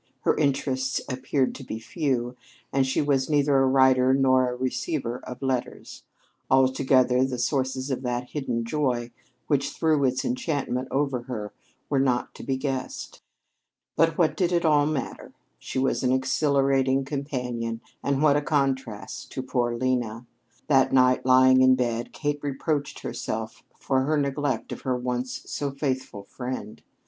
Her interests appeared to be few; and she was neither a writer nor a receiver of letters. Altogether, the sources of that hidden joy which threw its enchantment over her were not to be guessed. But what did it all matter? She was an exhilarating companion and what a contrast to poor Lena! That night, lying in bed, Kate reproached herself for her neglect of her once so faithful friend.